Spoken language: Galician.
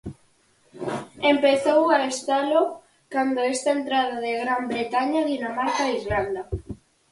Empezou a estalo cando esta entrada de Gran Bretaña, Dinamarca e Irlanda.